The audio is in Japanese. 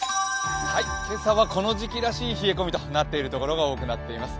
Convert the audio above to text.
今朝はこの時期らしい冷え込みとなっている所が多くなっています。